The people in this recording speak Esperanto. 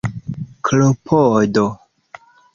klopodo